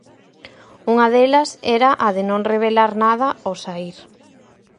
Unha delas era a de non revelar nada ao saír.